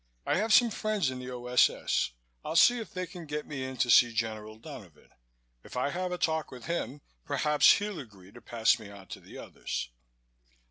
I have some friends in the O.S.S. I'll see if they can't get me in to see General Donovan. If I have a talk with him, perhaps he'll agree to pass me on to the others."